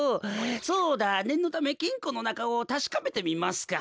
そうだねんのためきんこのなかをたしかめてみますか。